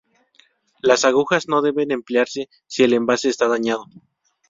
Las agujas no deben emplearse si el envase está dañado.